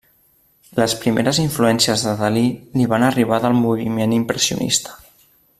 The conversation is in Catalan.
Les primeres influències de Dalí li van arribar del moviment impressionista.